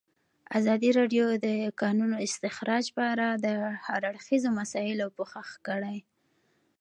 ازادي راډیو د د کانونو استخراج په اړه د هر اړخیزو مسایلو پوښښ کړی.